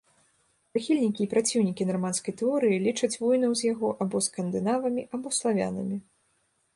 Прыхільнікі і праціўнікі нарманскай тэорыі лічаць воінаў з яго або скандынавамі, або славянамі.